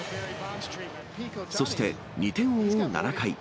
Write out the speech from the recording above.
そして２点を追う７回。